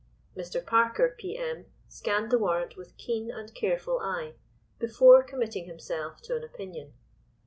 Mr. Parker, P.M., scanned the warrant with keen and careful eye before committing himself to an opinion.